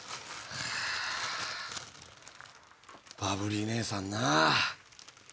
バブリーお姉さんな。